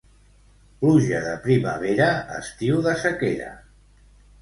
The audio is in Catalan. Pluja de primavera, estiu de sequera.